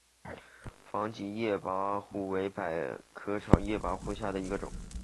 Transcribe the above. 防己叶菝葜为百合科菝葜属下的一个种。